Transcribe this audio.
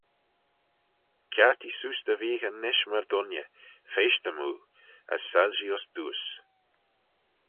Kiartee seose dty veeghyn nish myr dooinney: feysht-ym oo, as soilshee uss dooys.